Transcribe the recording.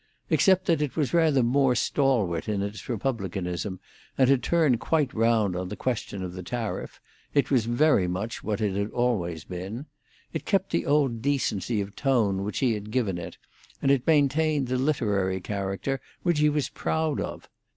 Except that it was rather more Stalwart in its Republicanism, and had turned quite round on the question of the tariff, it was very much what it had always been. It kept the old decency of tone which he had given it, and it maintained the literary character which he was proud of.